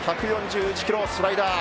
１４１キロスライダー。